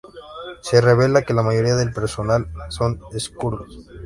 Se revela que la mayoría del personal son Skrulls.